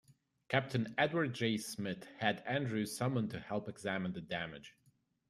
Captain Edward J. Smith had Andrews summoned to help examine the damage.